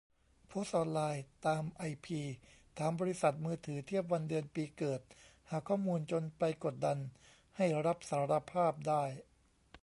โพสต์ออนไลน์ ตามไอพี ถามบริษัทมือถือเทียบวันเดือนปีเกิด หาข้อมูลจนไปกดดันให้รับสารภาพได้